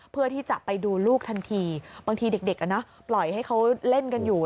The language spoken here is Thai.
เพื่อที่จะไปดูลูกทันทีบางทีเด็กปล่อยให้เขาเล่นกันอยู่